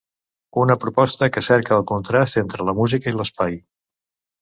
Una proposta que cerca el contrast entre la música i l’espai.